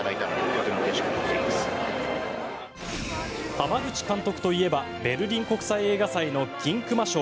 濱口監督といえばベルリン国際映画祭の銀熊賞